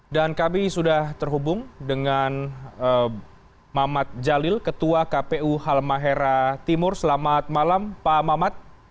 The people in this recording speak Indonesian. dan kami sudah terhubung dengan mamat jalil ketua kpu halmahera timur selamat malam pak mamat